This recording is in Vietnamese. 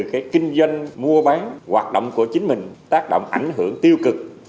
cái kinh doanh mua bán hoạt động của chính mình tác động ảnh hưởng tiêu cực